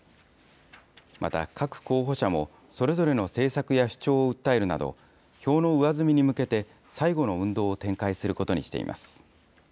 また、各候補者もそれぞれの政策や主張を訴えるなど、票の上積みに向けて最後の運動を展開することにしています。